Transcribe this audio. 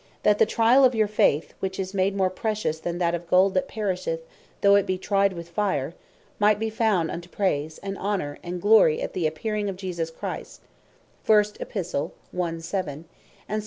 "That the triall of your Faith, which is much more precious than of Gold that perisheth, though it be tryed with fire, might be found unto praise, and honour, and glory at the Appearing of Jesus Christ;" And St. Paul (1 Cor. 3. 13.)